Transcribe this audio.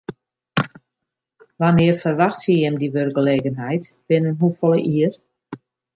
Wannear ferwachtsje jim dy wurkgelegenheid, binnen hoefolle jier?